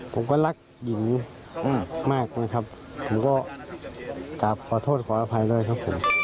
ผมก็รักหญิงมากนะครับผมก็กราบขอโทษขออภัยด้วยครับผม